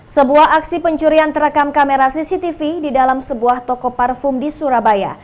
sebuah aksi pencurian terekam kamera cctv di dalam sebuah toko parfum di surabaya